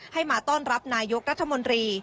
ให้มาต้อนรับนายกรัฐมนตรี